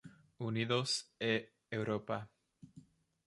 Unidos e Europa.